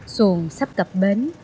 xuồng sắp cập bến